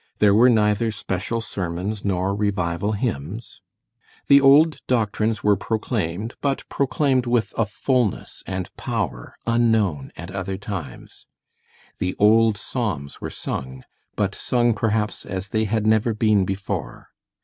There were neither special sermons nor revival hymns. The old doctrines were proclaimed, but proclaimed with a fullness and power unknown at other times. The old psalms were sung, but sung perhaps as they had never been before.